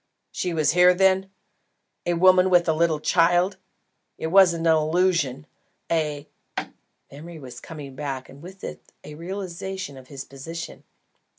"She was here, then? a woman with a little child? It wasn't an illusion, a ." Memory was coming back and with it a realisation of his position.